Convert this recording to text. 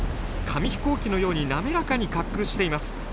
紙飛行機のように滑らかに滑空しています。